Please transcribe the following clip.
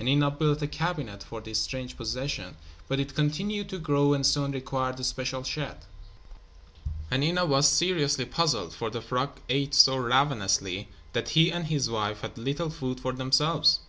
Hanina built a cabinet for his strange possession, but it continued to grow and soon required a special shed. Hanina was seriously puzzled, for the frog ate so ravenously that he and his wife had little food for themselves.